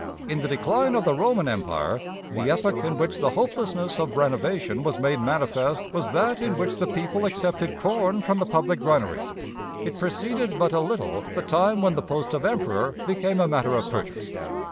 In the decline of the Roman Empire, the epoch in which the hopelessness of renovation was made manifest was that in which the people accepted corn from the public granaries: it preceded but a little the time when the post of emperor became a matter of purchase.